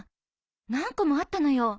何個もあったのよ。